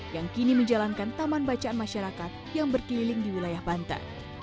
yang kini menjalankan taman bacaan masyarakat yang berkeliling di wilayah banten